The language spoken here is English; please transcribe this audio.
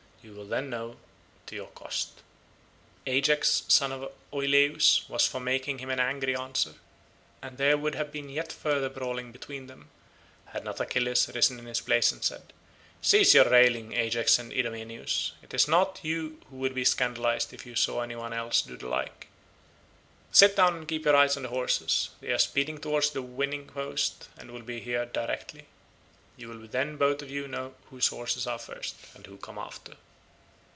You will then know to your cost." Ajax son of Oileus was for making him an angry answer, and there would have been yet further brawling between them, had not Achilles risen in his place and said, "Cease your railing, Ajax and Idomeneus; it is not seemly; you would be scandalised if you saw any one else do the like: sit down and keep your eyes on the horses; they are speeding towards the winning post and will be here directly. You will then both of you know whose horses are first, and whose come after."